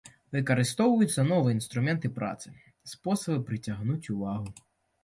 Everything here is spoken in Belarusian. Выкарыстоўваюцца новыя інструменты працы, спосабы прыцягнуць увагу.